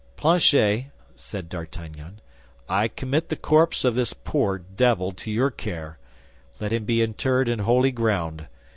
"Planchet," said D'Artagnan, "I commit the corpse of this poor devil to your care. Let him be interred in holy ground.